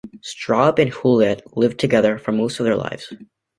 Straub and Huillet lived together for most of their lives.